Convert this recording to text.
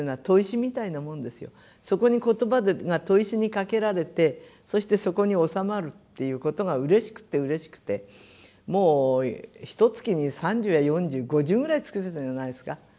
そこに言葉が砥石にかけられてそしてそこに収まるっていうことがうれしくてうれしくてもうひとつきに３０や４０５０ぐらい作ってたんじゃないですか。